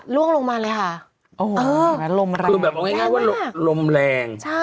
ล่วงลงมาเลยค่ะโอ้โหลมแรงคือแบบเอาง่ายว่าลมแรงใช่